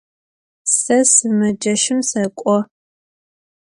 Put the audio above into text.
Se sımeceşım sek'o.